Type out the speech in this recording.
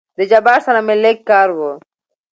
د جبار سره مې لېږ کار وو.